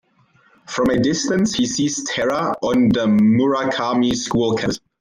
From a distance, he sees Terra on the Murakami School campus.